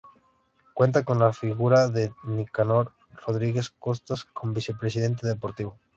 Cuenta con la figura de Nicanor Rodriguez Costas como vicepresidente deportivo.